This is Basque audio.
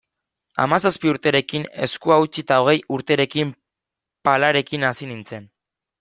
Hamazazpi urterekin eskua utzi eta hogei urterekin palarekin hasi nintzen.